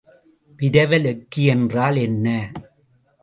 விரவல் எக்கி என்றால் என்ன?